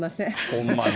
ほんまに。